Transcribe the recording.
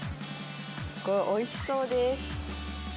すごくおいしそうです。